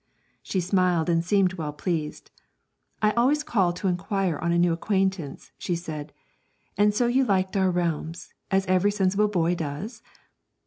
She smiled and seemed well pleased. 'I always call to inquire on a new acquaintance,' she said. 'And so you liked our realms, as every sensible boy does?